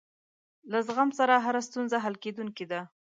له زغم سره هره ستونزه حل کېدونکې ده.